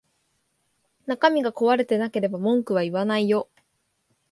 中身が壊れてなければ文句は言わないよ